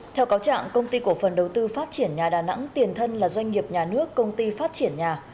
theo cáo trạng công ty cổ phần đầu tư phát triển nhà đà nẵng tiền thân là doanh nghiệp nhà nước công ty phát triển nhà